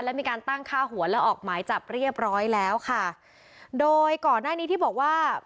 และมีการตั้งค่าหัวและออกหมายจับเรียบร้อยแล้วค่ะโดยก่อนหน้านี้ที่บอกว่า